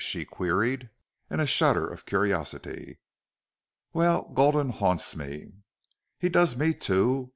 she queried, in a shudder of curiosity. "Well, Gulden haunts me." "He does me, too.